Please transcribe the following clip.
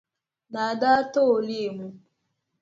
Naa daa ti o leemu.